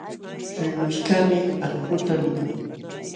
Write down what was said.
Rinqushkaqmi akhuta mikun.